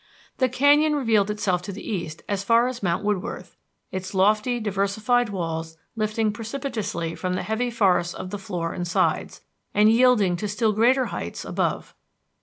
The canyon revealed itself to the east as far as Mount Woodworth, its lofty diversified walls lifting precipitously from the heavy forests of the floor and sides, and yielding to still greater heights above.